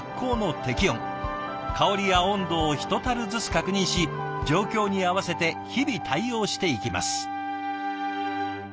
香りや温度をひとたるずつ確認し状況に合わせて日々対応していきます。